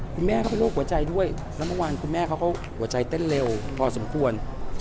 คุณแม่ก็เป็นโรคหัวใจด้วยแล้วเมื่อวานคุณแม่เขาก็หัวใจเต้นเร็วพอสมควร